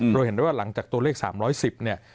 เราเห็นได้ว่าหลังจากตัวเลข๓๑๐เนี่ย